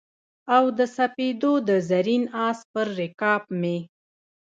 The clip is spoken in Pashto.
او د سپېدو د زرین آس پر رکاب مې